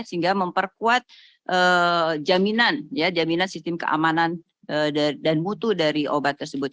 sehingga memperkuat jaminan jaminan sistem keamanan dan mutu dari obat tersebut